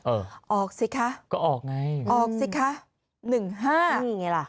เออออกสิคะก็ออกไงออกสิคะหนึ่งห้านี่ไงล่ะ